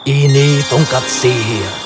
ini tongkat sihir